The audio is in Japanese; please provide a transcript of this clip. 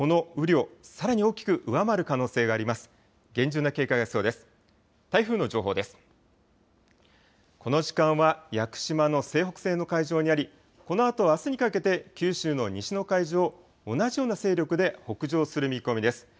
この時間は屋久島の西北西の海上にあり、このあとあすにかけて九州の西の海上を同じような勢力で北上する見込みです。